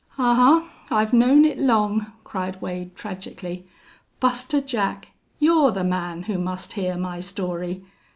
"Ahuh!... I've known it long!" cried Wade, tragically. "Buster Jack, you're the man who must hear my story....